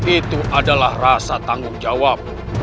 itu adalah rasa tanggung jawab